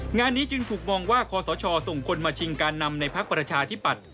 งานนี้จึงถูกมองว่าคอสชส่งคนมาชิงการนำในพักประชาธิปัตย